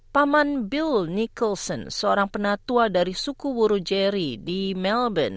paman bill nicholson seorang penatua dari suku wurujeri di melbourne